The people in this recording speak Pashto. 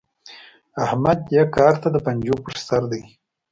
احمد دې کار ته د پنجو پر سر دی.